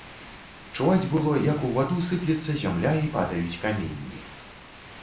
Чуваць было, як у ваду сыплецца зямля і падаюць каменні.